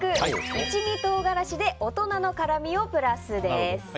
一味唐辛子で大人の辛みをプラス。